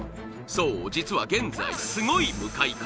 そう実は現在すごい向かい風